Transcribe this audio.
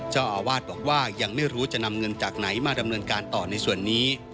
เจ้าอาวาสบอกว่ายังไม่รู้จะนำเงินจากไหนมาดำเนินการต่อในส่วนนี้